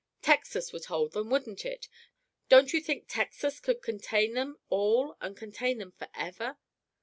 "Texas would hold them, wouldn't it? Don't you think Texas could contain them all and contain them forever?"